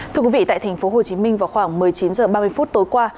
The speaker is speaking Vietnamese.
thưa quý vị tại thành phố hồ chí minh vào khoảng một mươi chín h ba mươi phút tối qua